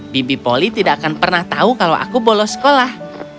bibi poly tidak akan pernah tahu kalau aku bolos sekolah